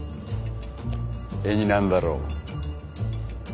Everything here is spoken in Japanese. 絵になるだろう？